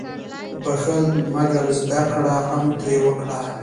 • بخښل، مګر زده کړه هم ترې وکړه.